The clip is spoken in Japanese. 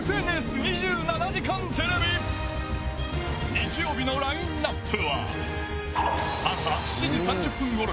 ［日曜日のラインアップは］